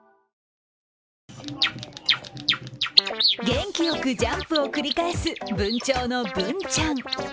元気よくジャンプを繰り返す文鳥のブンちゃん。